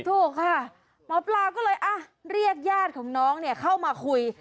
ถูกค่ะหมอปลาก็เลยเรียกญาติของน้องเข้ามาคุย